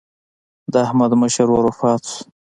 د احمد مشر ورور وفات شو.